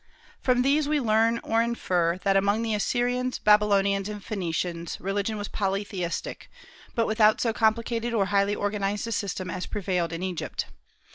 From these we learn or infer that among the Assyrians, Babylonians, and Phoenicians religion was polytheistic, but without so complicated or highly organized a system as prevailed in Egypt.